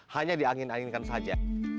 hanya dianginkan anginkan saja